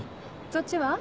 そっちは？